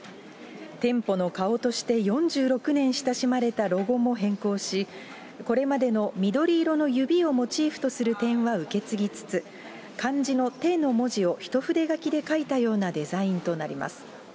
店舗の顔として４６年親しまれたロゴも変更し、これまでの緑色の指をモチーフとする点は受け継ぎつつ、漢字の手の文字を一筆書きで書いたようなデザインとなります。